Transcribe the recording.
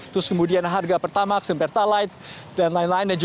terus kemudian harga pertama sempertalat dan lain lain